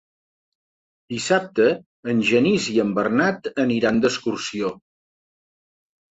Dissabte en Genís i en Bernat aniran d'excursió.